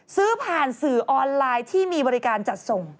ซื้อผ่านสื่อออนไลน์ที่มีบริการจัดส่ง